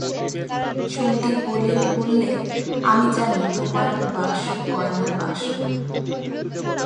সন্দীপ বললে, আমি জানি তোমার ও বাক্স গয়নার বাক্স।